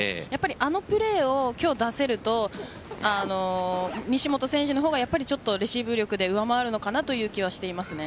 あのプレーを今日出せると西本選手の方がちょっとレシーブ力で上回るのかなという気はしています。